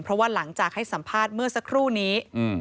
เพราะว่าหลังจากให้สัมภาษณ์เมื่อสักครู่นี้